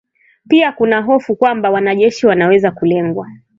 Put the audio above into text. Pia kuna hofu kwamba wanajeshi wanaweza kulengwa